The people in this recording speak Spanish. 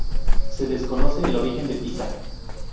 Se desconoce el origen de Pisa.